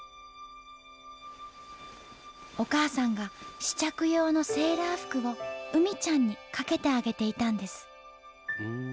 お母さんが試着用のセーラー服をうみちゃんにかけてあげていたんです。